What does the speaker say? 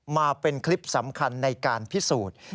มาเป็นคลิปสำคัญในการพิสูจน์